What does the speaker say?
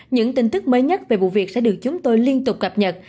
những tin tức mới nhất về vụ việc sẽ được chúng tôi liên tục cập nhật